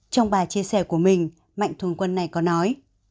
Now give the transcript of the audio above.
trong bài chia sẻ của mình mạnh thường quân này có nói